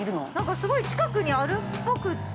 ◆すごい近くにあるっぽくって。